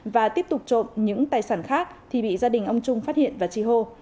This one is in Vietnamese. và tiếp tục trộm những tài sản khác thì bị gia đình ông trung phát hiện và chi hô